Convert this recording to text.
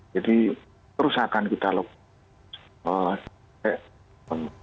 jadi perusahaan kita lakukan